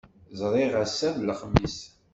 Ẓriɣ ass-a d Lexmis.